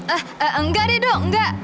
eh eh enggak deh dong enggak